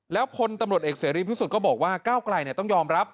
แล้วพลตำรวจเอกเสรีพิสุทธิ์ก็บอกว่าก้าวไกลต้องยอมรับ